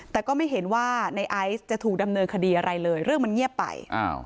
แต่ก็ไม่เห็นว่าในไอซ์จะถูกดำเนินคดีอะไรเลยเรื่องมันเงียบไป